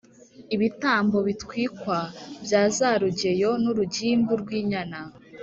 Ibitambo bitwikwa bya za rugeyo n’urugimbu rw’inyana,